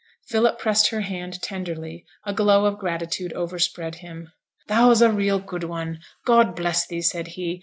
Philip pressed her hand tenderly, a glow of gratitude overspread him. 'Thou's a real good one, God bless thee!' said he.